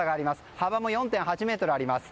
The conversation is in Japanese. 幅も４．８ｍあります。